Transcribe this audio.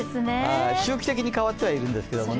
周期的に変わってはいるんですけどね。